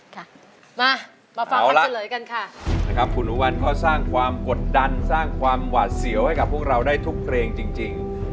ค่ะเอาละคุณหนูวันก็สร้างความกดดันสร้างความหวาดเสี่ยวให้กับพวกเราได้ทุกเรงจริง